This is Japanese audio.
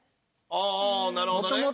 ああーなるほどね。